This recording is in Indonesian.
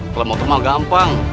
kalau motor malah gampang